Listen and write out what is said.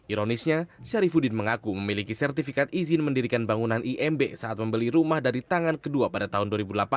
ironisnya syarifudin mengaku memiliki sertifikat izin mendirikan bangunan imb saat membeli rumah dari tangan kedua pada tahun dua ribu delapan belas